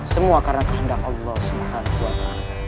semua karena kehendak allah swt